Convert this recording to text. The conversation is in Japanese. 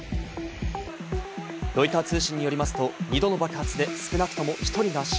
ロイター通信によりますと、２度の爆発で少なくとも１人が死